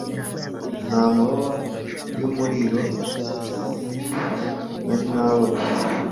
nta mababa yumuriro nari nabona